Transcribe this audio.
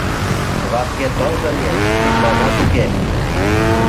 Вашке тылзе лиеш — письмажат уке.